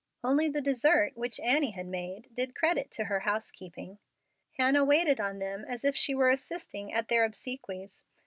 Only the dessert, which Annie had made, did credit to her housekeeping. Hannah waited on them as if she were assisting at their obsequies.